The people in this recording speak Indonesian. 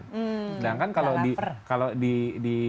sedangkan kalau di